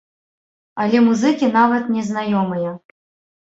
Але музыкі нават не знаёмыя!